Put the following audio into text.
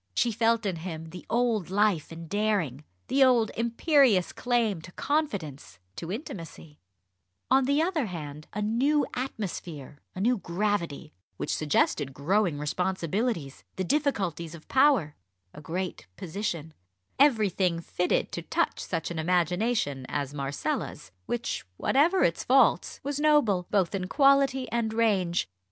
She felt in him the old life and daring, the old imperious claim to confidence, to intimacy on the other hand a new atmosphere, a new gravity, which suggested growing responsibilities, the difficulties of power, a great position everything fitted to touch such an imagination as Marcella's, which, whatever its faults, was noble, both in quality and range.